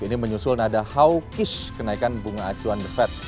ini menyusul nada hawkish kenaikan bunga acuan the fed